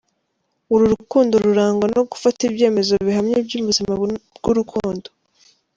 Uru rukundo rurangwa no gufata ibyemezo bihamye by’ubuzima bw’urukundo.